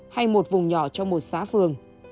hay một vùng nhỏ trong một xã phường